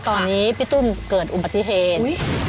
ตอนนี้พี่ตุ้มเกิดอุบัติเหตุ